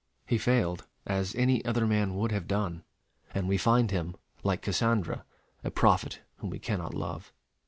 He failed, as any other man would have done; and we find him, like Cassandra, a prophet whom we cannot love.